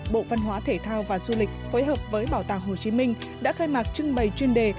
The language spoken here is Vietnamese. bộ văn hóa thể thao và du lịch phối hợp với bảo tàng hồ chí minh đã khai mạc trưng bày chuyên đề